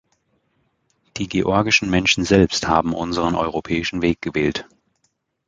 Die georgischen Menschen selbst haben unseren europäischen Weg gewählt.